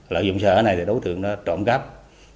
lợi dụng xã hội này thì đối tượng trộm cắp tài sản